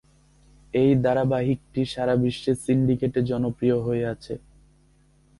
এই ধারাবাহিকটি সারা বিশ্বে সিন্ডিকেটে জনপ্রিয় হয়ে আছে।